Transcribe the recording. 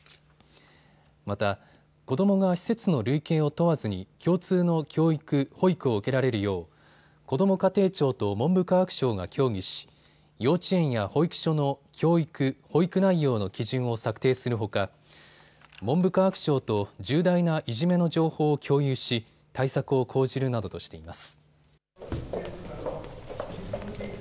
また、子どもが施設の類型を問わずに共通の教育・保育を受けられるようこども家庭庁と文部科学省が協議し幼稚園や保育所の教育・保育内容の基準を策定するほか文部科学省と重大ないじめの情報を共有し対策を講じるなどとしています。